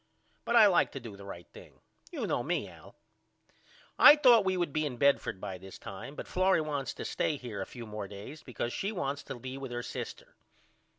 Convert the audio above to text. But I like to do the right thing. You know me Al. I thought we would be in Bedford by this time but Florrie wants to stay here a few more days because she says she wants to be with her sister.